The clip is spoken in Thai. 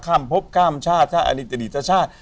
ข้ามพบข้ามชาติชาติอันตรีชาติ